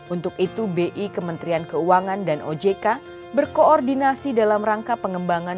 untuk itu bi kementerian keuangan dan ojk berkoordinasi dalam rangka pengembangan